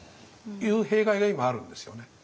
いう弊害が今あるんですよね。